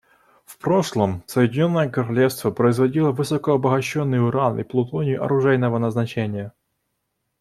В прошлом Соединенное Королевство производило высокообогащенный уран и плутоний оружейного назначения.